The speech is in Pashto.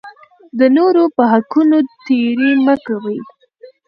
د نورو په حقونو تېری مه کوئ.